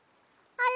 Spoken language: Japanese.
あれ？